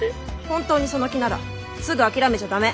本当にその気ならすぐ諦めちゃ駄目。